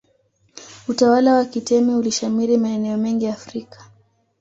utawala wa kitemi ulishamiri maeneo mengi afrika